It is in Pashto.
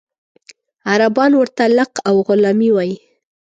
عربان ورته لق او غلامي وایي.